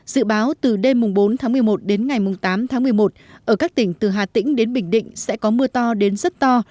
dự báo từ đêm bốn tháng một mươi một đến ngày tám tháng một mươi một ở các tỉnh từ hà tĩnh đến bình định sẽ có mưa to đến rất to